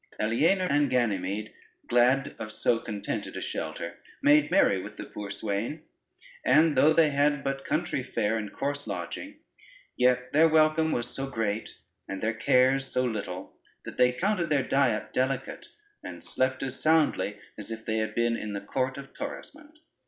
Aliena and Ganymede glad of so contented a shelter, made merry with the poor swain; and though they had but country fare and coarse lodging, yet their welcome was so great, and their cares so little, that they counted their diet delicate, and slept as soundly as if they had been in the court of Torismond.